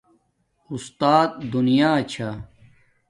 اُستات دُنیا چھا